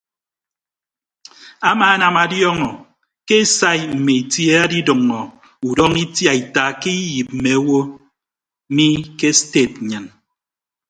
Amaanam ediọọñọ ke esai mme itie adiduuñọ udọñọ itiaita ke iyiip mme owo mi ke sted nnyịn.